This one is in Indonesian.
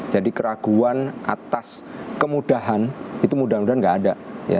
jadi keraguan atas kemudahan itu mudah mudahan tidak ada